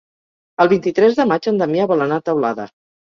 El vint-i-tres de maig en Damià vol anar a Teulada.